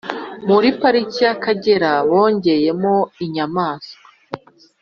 Muri pariki yakagera bongeyemo inyasnswa